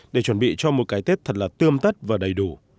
để chuẩn bị cho một cái tết thật là tươm tắt và đầy đủ